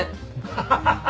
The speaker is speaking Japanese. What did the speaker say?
ハハハハ！